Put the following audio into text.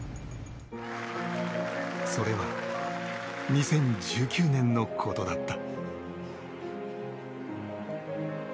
それは２０１９年のことだった。